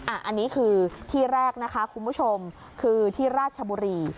อันนี้คือที่แรกนะคะคุณผู้ชมคือที่ราชบุรี